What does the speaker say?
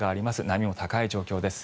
波も高い状況です。